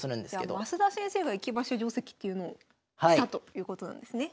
じゃあ升田先生が駅馬車定跡というのをしたということなんですね。